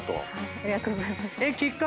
ありがとうございます。